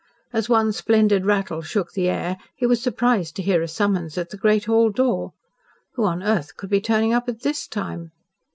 As one splendid rattle shook the air he was surprised to hear a summons at the great hall door. Who on earth could be turning up at this time?